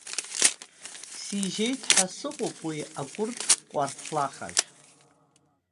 Сижьеит ҳәа сыҟоуп уи акәырд ҟәарҭлахажә!